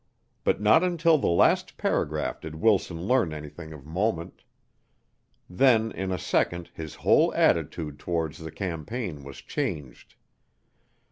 But not until the last paragraph did Wilson learn anything of moment. Then, in a second his whole attitude towards the campaign was changed.